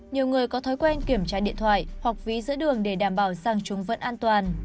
nhiều người có thói quen kiểm tra điện thoại hoặc ví giữa đường để đảm bảo sang chúng vẫn an toàn